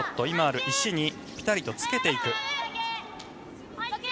今ある石にぴたりとつけていく。